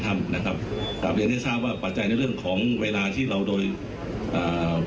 ถ้ำนะครับกลับเรียนให้ทราบว่าปัจจัยในเรื่องของเวลาที่เราโดยอ่า